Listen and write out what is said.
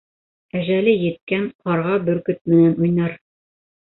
Әжәле еткән ҡарға бөркөт менән уйнар.